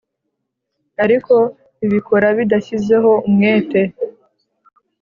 ariko bibikora bidashyizeho umwete.